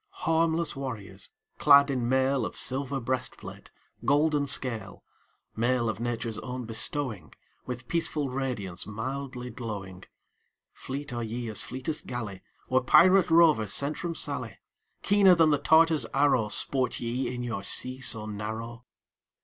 Harmless warriors, clad in mail Of silver breastplate, golden scale; Mail of Nature's own bestowing, With peaceful radiance, mildly glowing Fleet are ye as fleetest galley Or pirate rover sent from Sallee; Keener than the Tartar's arrow, Sport ye in your sea so narrow.